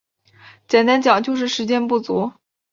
简单讲就是时间不足